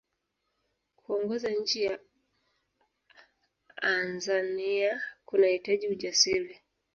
kuongoza nchi ya anzania kunahitaji ujasiri